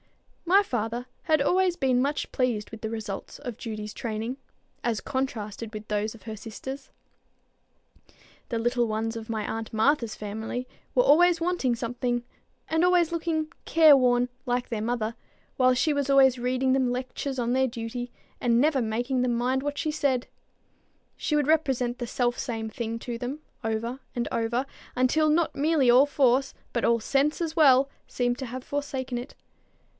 My father had always been much pleased with the results of Judy's training, as contrasted with those of his sister's. The little ones of my aunt Martha's family were always wanting something, and always looking care worn like their mother, while she was always reading them lectures on their duty, and never making them mind what she said. She would represent the self same thing to them over and over, until not merely all force, but all sense as well, seemed to have forsaken it.